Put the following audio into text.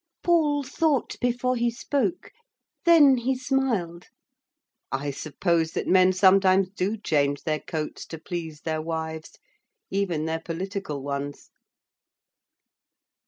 Paul thought before he spoke; then he smiled. 'I suppose that men sometimes do change their coats to please their wives, even their political ones.